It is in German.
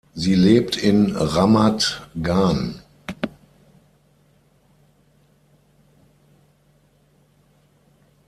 Sie lebt in Ramat Gan.